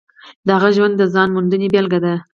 د هغه ژوند د ځان موندنې بېلګه ده.